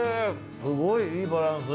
すごいいいバランス。